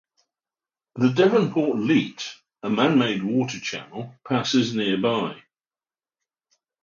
The Devonport Leat - a man-made waterchannel - passes nearby.